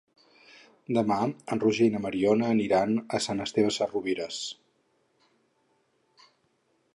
Demà en Roger i na Mariona aniran a Sant Esteve Sesrovires.